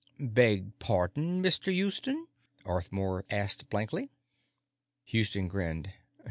"Beg pardon, Mr. Yewston?" Arthmore asked blankly. Houston grinned.